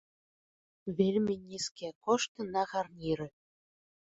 Вельмі нізкія кошты на гарніры.